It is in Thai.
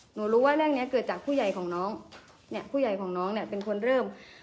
หนูรู้ว่าเรื่องนี้เกิดจากผู้ใหญ่ของน้องเนี่ยผู้ใหญ่ของน้องเนี่ยเป็นคนเริ่ม